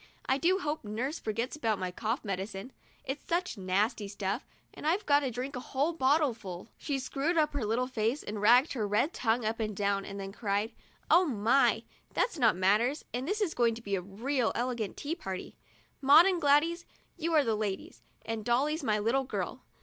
I do hope nurse forgets about my cough medicine. It's such nasty stuff, and I've got to drink the whole bottleful." She screwed up her little face, and wagged her red tongue up and down, and then cried: "Oh my, that's not manners, and this is going to be a real elegant tea party! Maud and Gladys, you and I are ladies, and Dolly's my little girl.